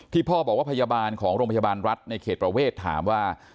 พ่อบอกว่าพยาบาลของโรงพยาบาลรัฐในเขตประเวทถามว่า